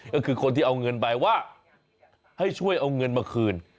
ก็คือคนที่เอาเงินไปว่าให้ช่วยเอาเงินมาคืน